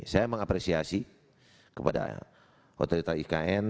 saya mengapresiasi kepada kota kota ikn